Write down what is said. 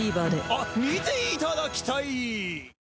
あっ見ていただきたい！